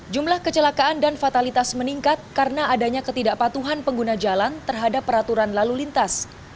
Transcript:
jumlah kecelakaan dan fatalitas meningkat karena adanya ketidakpatuhan pengguna jalan terhadap peraturan lalu lintas